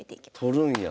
取るんや。